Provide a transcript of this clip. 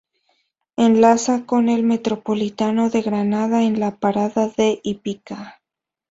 Enlaza con el Metropolitano de Granada en la parada de Hípica.